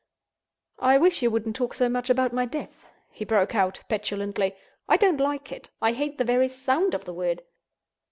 "I wish you wouldn't talk so much about my death," he broke out, petulantly. "I don't like it! I hate the very sound of the word!"